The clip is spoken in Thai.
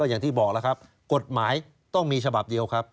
อย่างที่บอกแล้วครับกฎหมายต้องมีฉบับเดียวครับ